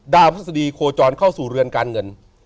พฤษฎีโคจรเข้าสู่เรือนการเงิน